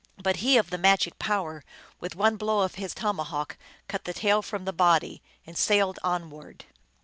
But he of the magic power, with one blow of his tomahawk, cut the tail from the body, and sailed onward.